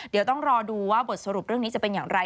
เดี๋ยวต้องรอดูว่าบทสรุปเรื่องนี้จะเป็นอย่างไร